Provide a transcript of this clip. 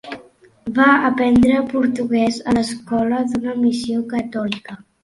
Va aprendre portuguès a l'escola d'una missió catòlica.